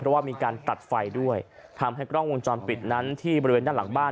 เพราะว่ามีการตัดไฟด้วยทำให้กล้องวงจรปิดนั้นที่บริเวณด้านหลังบ้าน